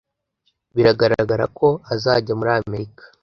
Biragaragara ko azajya muri Amerika.